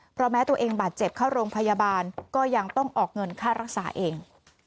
เพราะแม้ตัวเองบาดเจ็บเข้าโรงพยาบาลก็ยังต้องออกเงินค่ารักษาเอง